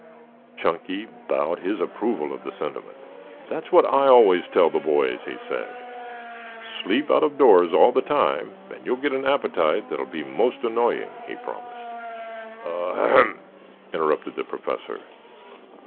Chunky bowed his approval of the sentiment. "That is what I always tell the boys," he said. "Sleep out of doors all the time and you will get an appetite that will be almost annoying," he promised. "Ah ahem," interrupted the Professor.